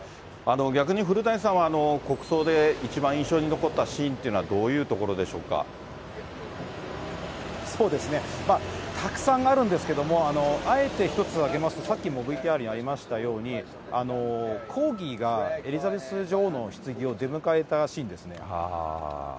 逆に古谷さんは、国葬で一番印象に残ったシーンっていうのはどういうところでしょたくさんあるんですけれども、あえて１つ挙げますと、さっきもＶＴＲにありましたように、コーギーがエリザベス女王のひつぎを出迎えたシーンですね。